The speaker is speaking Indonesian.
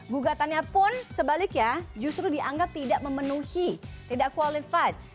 gugatannya pun sebaliknya justru dianggap tidak memenuhi tidak qualified